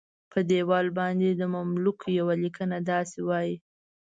په دیوال باندې د مملوک یوه لیکنه داسې وایي.